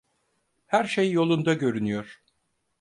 Her şey yolunda görünüyor.